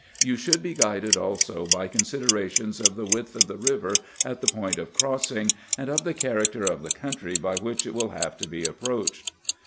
You should be guided also by considerations of the width of the river at the point of crossing, and of the character of the country by which it will have to be approached."